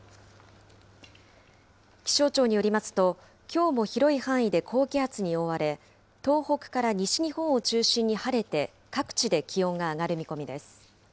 気象庁によりますと、きょうも広い範囲で高気圧に覆われ、東北から西日本を中心に晴れて、各地で気温が上がる見込みです。